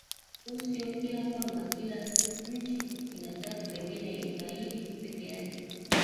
huu sio kila kwamba kila nchi inataka pengine ifaidi peke yake